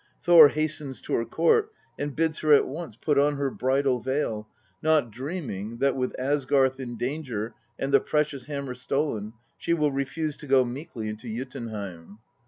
Thor hastens to her court and bids her at once put on her bridal veil, not dreaming that, with Asgarth in danger and the precious hammer stolen, she will refuse to go meekly into Jotunheim.